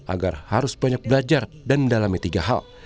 agar harus banyak belajar dan mendalami tiga hal